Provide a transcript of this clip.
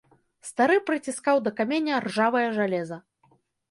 Стары прыціскаў да каменя ржавае жалеза.